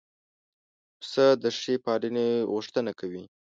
پسه د ښې پالنې غوښتنه کوي.